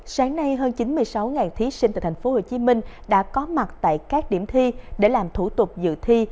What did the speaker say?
sáng nay hơn chín mươi sáu thí sinh tại tp hcm đã có mặt tại các điểm thi để làm thủ tục dự thi